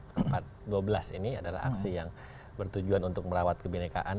yang empat ratus dua belas ini adalah aksi yang bertujuan untuk merawat kebenekaan